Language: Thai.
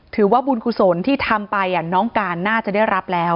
ถือว่าบุญกุศลที่ทำไปน้องการน่าจะได้รับแล้ว